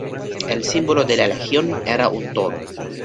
El símbolo de la legión era un toro.